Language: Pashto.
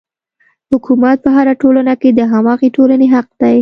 حکومت په هره ټولنه کې د هماغې ټولنې حق دی.